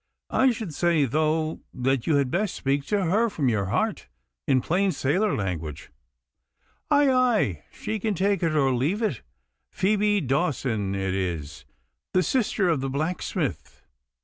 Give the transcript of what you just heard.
I should say though that you had best speak to her from your heart, in plain sailor language.' 'Aye, aye, she can take it or leave it. Phoebe Dawson it is, the sister of the blacksmith.